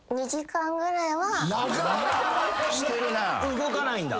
動かないんだ。